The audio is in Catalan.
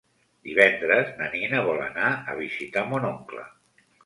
Divendres na Nina vol anar a visitar mon oncle.